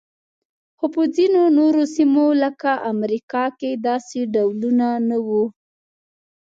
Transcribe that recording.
خو په ځینو نورو سیمو لکه امریکا کې داسې ډولونه نه وو.